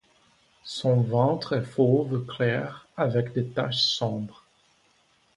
Son ventre est fauve clair avec des taches sombres.